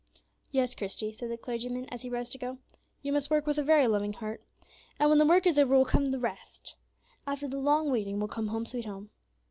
"Yes, Christie," said the clergyman, as he rose to go, "you must work with a very loving heart. And when the work is over will come the rest. After the long waiting will come 'Home, sweet Home.'"